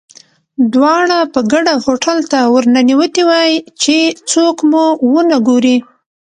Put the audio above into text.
دواړه په ګډه هوټل ته ورننوتي وای، چې څوک مو ونه ګوري.